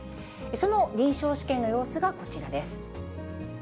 その臨床試験の様子がこちらです。